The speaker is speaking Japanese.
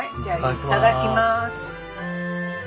いただきます。